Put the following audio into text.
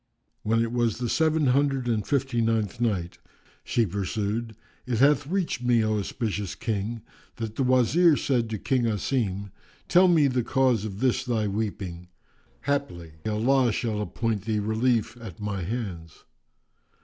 When it was the Seven Hundred and Fifty ninth Night, She pursued, It hath reached me, O auspicious King, that the Wazir said to King Asim, "Tell me the cause of this thy weeping: haply Allah shall appoint thee relief at my hands."